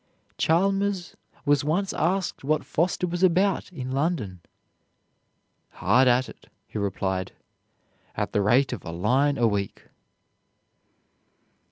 Chalmers was once asked what Foster was about in London. "Hard at it," he replied, "at the rate of a line a week."